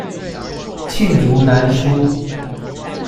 罄竹難書